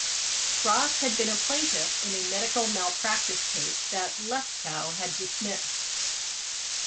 Ross had been a plaintiff in a medical malpractice case that Lefkow had dismissed.